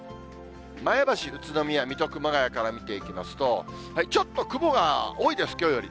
前橋、宇都宮、水戸、熊谷から見ていきますと、ちょっと雲が多いです、きょうより。